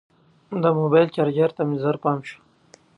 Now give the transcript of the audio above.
د موبایل چارجر ته مې ژر پام شو.